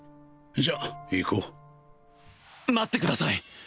じゃあ行こう待ってください！